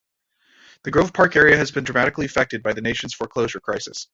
The Grove Park area has been dramatically affected by the nation's foreclosure crisis.